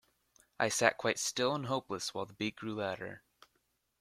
I sat quite still and hopeless while the beat grew louder.